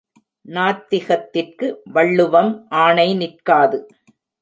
நாத்திகத்திற்கு வள்ளுவம் ஆணை நிற்காது.